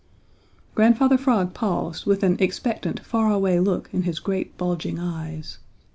Grandfather Frog paused with an expectant far away look in his great bulging eyes.